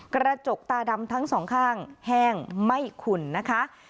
กระจกตาดำทั้งสองข้างแห้งไม่ขุ่นนะคะ